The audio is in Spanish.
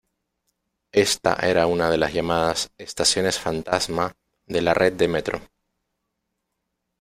Ésta era una de las llamadas "estaciones fantasma" de la red de Metro.